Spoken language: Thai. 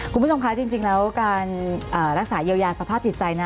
คุณผู้ชมคะจริงแล้วการรักษาเยียวยาสภาพจิตใจนะ